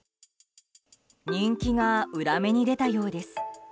人気が裏目に出たようです。